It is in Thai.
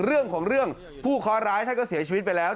เรื่องของเรื่องผู้เคาะร้ายท่านก็เสียชีวิตไปแล้ว